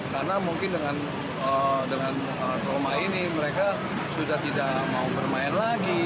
karena mungkin dengan trauma ini mereka sudah tidak mau bermain lagi